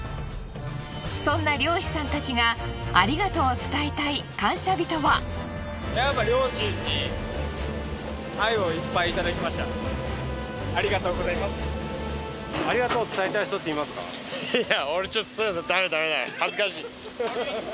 そんな漁師さんたちがありがとうを伝えたい人っていますか？